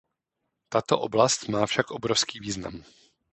Tato oblast má však obrovský význam.